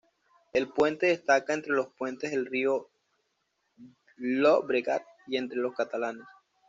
El puente destaca entre los puentes del río Llobregat y entre los catalanes.